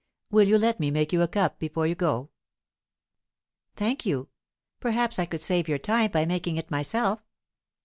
Will you let me make you a cup before you go?" "Thank you. Perhaps I could save your time by making it myself."